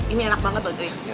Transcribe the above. ini enak banget bu cuy